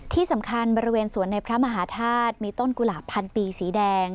ที่สำคัญบริเวณสวนในพระมหาธาตุมีต้นกุหลาบพันปีสีแดง